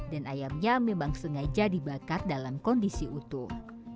dan ayamnya memang sengaja dibakar dalam kondisi utuh